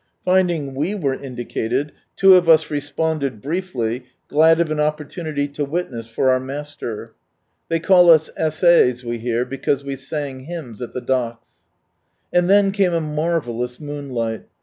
Finding av were indicated, two of us responded briefly, glad of an opportunity to witness for our Master. They call us " S.A.'s " we hear, because we sang hymns at the docks. And then came a marvellous moonlight.